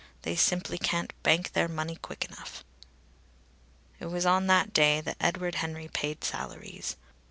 They simply can't bank their money quick enough." It was on that day that Edward Henry paid salaries.